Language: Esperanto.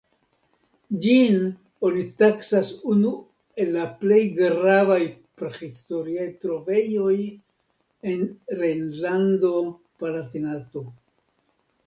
Ĝin oni taksas unu el la plej gravaj prahistoriaj trovejoj en Rejnlando-Palatinato.